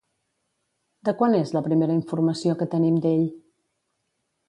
De quan és la primera informació que tenim d'ell?